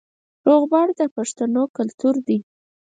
روغبړ د پښتنو کلتور دی